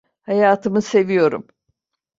Hayatımı seviyorum.